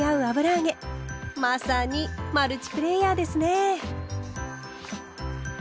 まさにマルチプレーヤーですね。